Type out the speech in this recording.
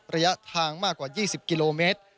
ระยะทางมากกว่า๒๐กิโลเมตร